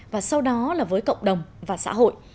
và sau đó là với cộng đồng và xã hội